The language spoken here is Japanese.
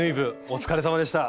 お疲れさまでした！